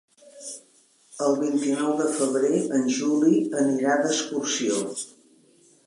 El vint-i-nou de febrer en Juli anirà d'excursió.